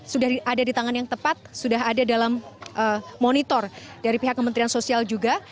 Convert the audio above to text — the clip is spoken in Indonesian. sudah ada di tangan yang tepat sudah ada dalam monitor dari pihak kementerian sosial juga